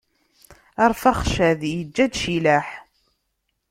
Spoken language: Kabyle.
Arfaxcad iǧǧa-d Cilaḥ.